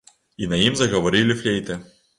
І на ім загаварылі флейты.